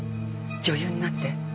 女優になって。